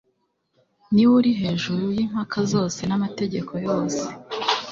ni we uri hejuru y'impaka zose n'amategeko yose.